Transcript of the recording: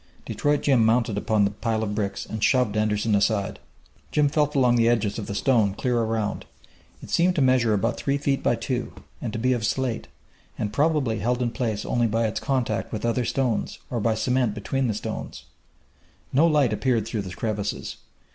Detroit Jim mounted upon the pile of bricks and shoved Anderson aside. Jim felt along the edges of the stone clear around. It seemed to measure about three feet by two, and to be of slate, and probably held in place only by its contact with other stones, or by cement between the stones. No light appeared through the crevices.